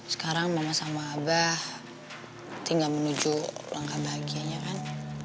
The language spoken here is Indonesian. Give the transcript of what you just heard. sekarang mama sama abah tinggal menuju langkah bahagianya kan